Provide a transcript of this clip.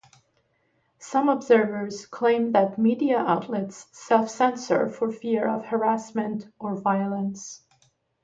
Some observers claim that media outlets self-censor for fear of harassment or violence.